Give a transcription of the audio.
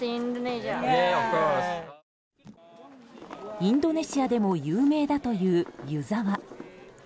インドネシアでも有名だという湯沢。